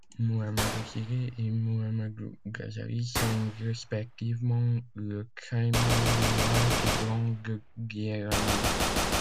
Mouhamadou Ciré et Mouhamadou Ghazaly sont respectivement le caîman noir et blanc de Dieylani.